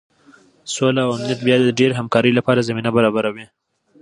سوله او امنیت بیا د ډیرې همکارۍ لپاره زمینه برابروي.